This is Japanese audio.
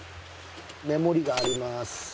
目盛りがあります。